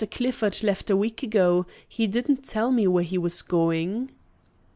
Clifford left a week ago; he didn't tell me where he was going."